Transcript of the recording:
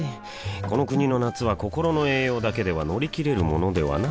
この国の夏は心の栄養だけでは乗り切れるものではない